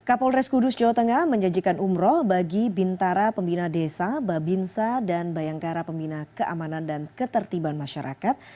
kapolres kudus jawa tengah menjanjikan umroh bagi bintara pembina desa babinsa dan bayangkara pembina keamanan dan ketertiban masyarakat